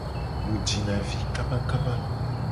Mu jina vi kabakaba.